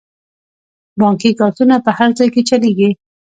بانکي کارتونه په هر ځای کې چلیږي.